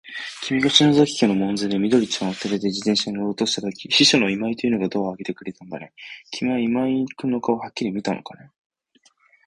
きみが篠崎家の門前で、緑ちゃんをつれて自動車に乗ろうとしたとき、秘書の今井というのがドアをあけてくれたんだね。きみは今井君の顔をはっきり見たのかね。